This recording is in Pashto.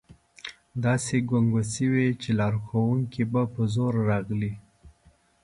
داسې ګنګوسې وې چې لارښوونکي په زور راغلي.